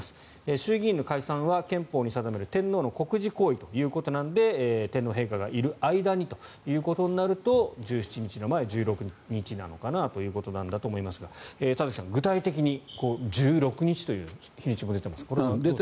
衆議院の解散は憲法に定める天皇の国事行為ということなので天皇陛下がいる間にということになると１７日の前の１６日なのかなということだと思いますが田崎さん、具体的に１６日という日にちも出ていますがどうでしょう。